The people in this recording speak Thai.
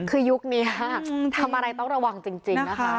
คือยุคนี้ทำอะไรต้องระวังจริงนะคะ